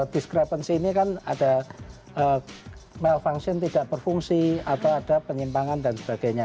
discrepensi ini kan ada melfunction tidak berfungsi atau ada penyimpangan dan sebagainya